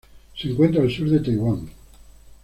Se encuentra al sur de Taiwán.